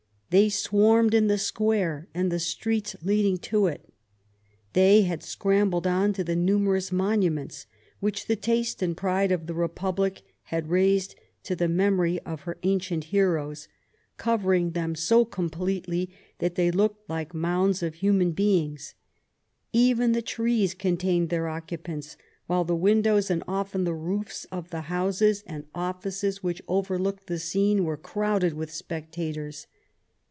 They swarmed in the square and the streets leading to it; they had scrambled on to the numerous monuments, which the taste and pride of the Republic had raised to the memory of her ancient heroes, covering them so completely that they looked like mounds of human beings; even the trees contained their occupants, while the windows and often the roofs, of the houses and offices which overlooked the scene were crowded with spectators.